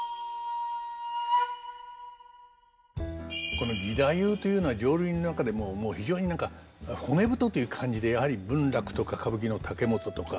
この義太夫というのは浄瑠璃の中でも非常に何か骨太という感じでやはり文楽とか歌舞伎の竹本とか男性のイメージ